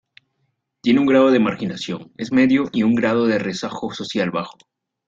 Tiene un grado de marginación es medio y un grado de rezago social bajo.